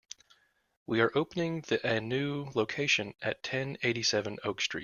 We are opening the a new location at ten eighty-seven Oak Street.